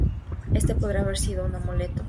Este podrá haber sido un amuleto.